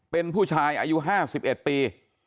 เป็นผู้ชายอายุ๕๑ปี